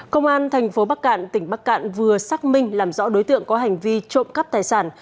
công an thành phố bắc cạn tỉnh bắc cạn vừa xác minh làm rõ đối tượng có hành vi trộm cắp tài sản